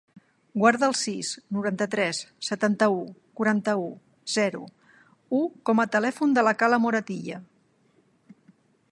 Guarda el sis, noranta-tres, setanta-u, quaranta-u, zero, u com a telèfon de la Kala Moratilla.